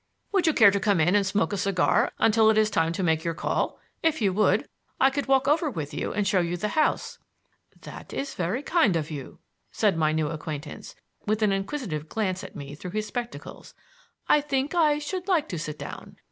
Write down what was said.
"Would you care to come in and smoke a cigar until it is time to make your call? If you would, I could walk over with you and show you the house." "That is very kind of you," said my new acquaintance, with an inquisitive glance at me through his spectacles. "I think I should like to sit down.